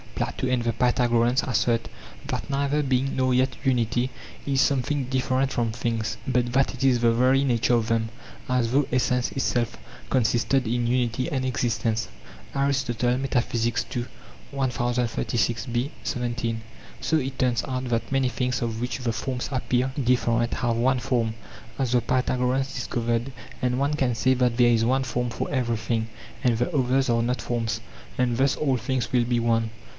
Plato and the Pythagoreans assert that neither being nor yet unity is something different from things, but that it is the very nature of them, as though essence itself consisted in unity and existence. 1086b 17. Soit turns out that many things of which the forms appear different have one form, as the Pytha goreans discovered ; and one can say that there is one form for everything, and the others are not forms; and thus all things will be one.